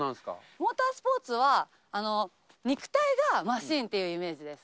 モータースポーツは肉体がマシンっていうイメージです。